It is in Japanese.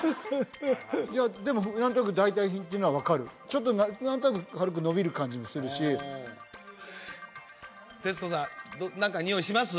いやでも何となく代替品っていうのは分かるちょっと何となく軽く伸びる感じもするし徹子さん何かにおいします？